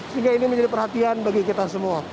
sehingga ini menjadi perhatian bagi kita semua